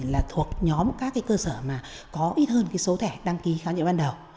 một nhóm các cái cơ sở mà có ít hơn cái số thẻ đăng ký khám chữa ban đầu